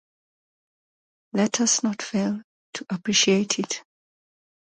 Let us not fail to appreciate it.